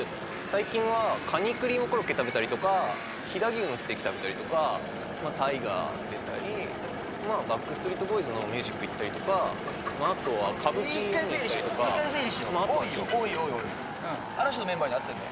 最近はカニクリームコロッケ食べたりとか飛騨牛のステーキ食べたりとか大河出たりまあバックストリート・ボーイズのミュージック行ったりとかあとは歌舞伎見に行ったりとか１回整理しよう１回整理しよう多いよ多い多いうん嵐のメンバーに会ってんの？